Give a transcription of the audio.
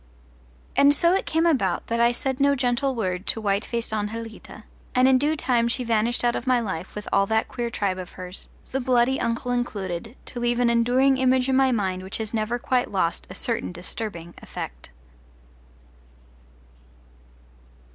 And so it came about that I said no gentle word to white faced Anjelita, and in due time she vanished out of my life with all that queer tribe of hers, the bloody uncle included, to leave an enduring image in my mind which has never quite lost a certain disturbing effect.